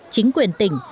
chính quyền tỉnh